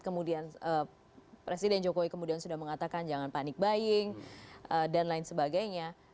kemudian presiden jokowi kemudian sudah mengatakan jangan panik buying dan lain sebagainya